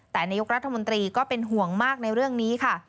แต่นายกรัฐมนตรีก็เป็นห่วงมากในเรื่องนี้ค่ะ